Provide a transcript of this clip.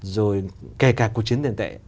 rồi kể cả cuộc chiến tiền tệ